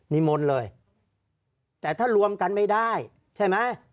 นิมนต์เลยแต่ถ้ารวมกันไม่ได้ใช่ไหม